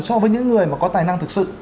so với những người mà có tài năng thực sự